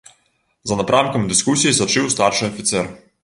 За напрамкам дыскусій сачыў старшы афіцэр.